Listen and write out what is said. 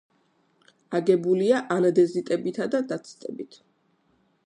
აგებულია ანდეზიტებითა და დაციტებით.